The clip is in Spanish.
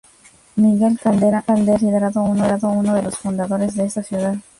Miguel Caldera es considerado uno de los fundadores de esta ciudad.